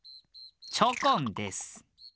チョコンです。